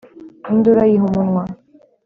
induru ayiha umunwa,